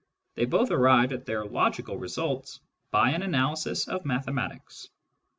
They both arrived at their logical results by an analysis of mathematics.